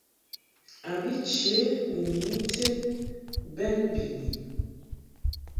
A bi che ni nyum ited bɛn biʼni.